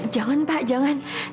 jangan pak jangan